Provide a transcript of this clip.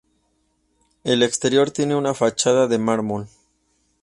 El exterior tiene una fachada de mármol.